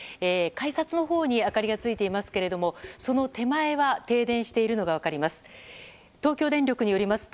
改札のほうに明かりがついていますがその手前は停電しているのが分かります。